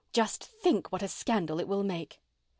Just think what a scandal it will make!"